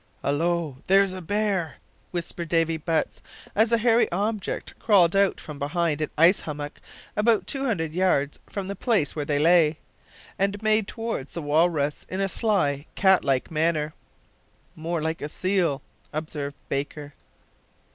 "Hallo! there's a bear!" whispered Davy Butts, as a hairy object crawled out from behind an ice hummock about two hundred yards from the place where they lay, and made toward the walrus in a sly, cat like manner. "More like a seal," observed Baker.